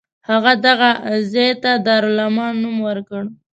هغه دغه ځای ته دارالامان نوم ورکړ.